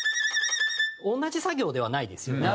同じ作業ではないですよね。